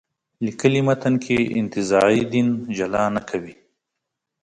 لیکلي متن کې انتزاعي دین جلا نه کوي.